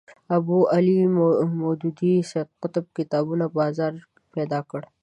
ابوالاعلی مودودي سید قطب کتابونو بازار پیدا کړ